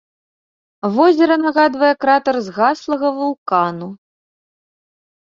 Возера нагадвае кратар згаслага вулкану.